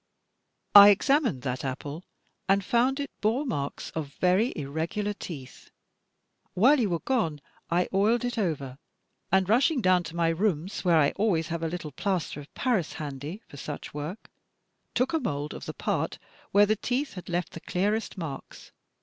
*' I examined that apple, and foimd it bore marks of very irregular teeth. While you were gone, I oiled it over, and, rushing down to my rooms, where I always have a little plaster of Paris handy for such work, took a mould of the part where the teeth had left the clearest marks.